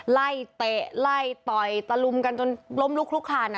เตะไล่ต่อยตะลุมกันจนล้มลุกลุกคลาน